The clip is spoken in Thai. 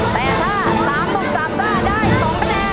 แต่ถ้า๓๓๕ได้๒คะแนน